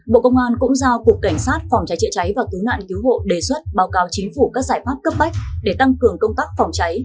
bộ công an cũng giao cục cảnh sát phòng cháy chữa cháy và cứu nạn cứu hộ đề xuất báo cáo chính phủ các giải pháp cấp bách để tăng cường công tác phòng cháy